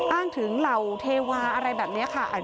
อ้างถึงเหล่าเทวาอะไรแบบนี้ค่ะ